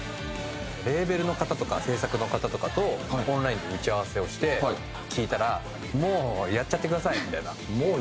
レーベルの方とか制作の方とかとオンラインで打ち合わせをして聞いたらもうやっちゃってくださいみたいな。